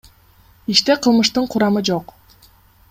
Иште кылмыштын курамы жок.